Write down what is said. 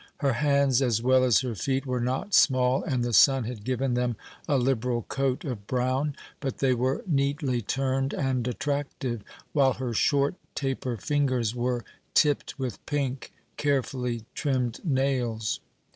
Her hands as well as her feet were not small and the sun had given them a liberal coat of brown, but they were neatly turned and attractive, while her short, taper fingers were tipped with pink, carefully trimmed nails.